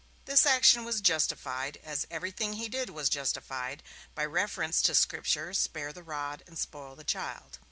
This action was justified, as everything he did was justified, by reference to Scripture 'Spare the rod and spoil the child'.